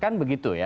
kan begitu ya